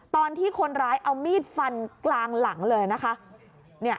ตอนที่คนร้ายเอามีดฟันกลางหลังเลยนะคะ